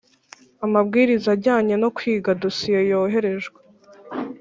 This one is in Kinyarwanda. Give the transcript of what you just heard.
amabwiriza ajyanye no kwiga dosiye yoherejwe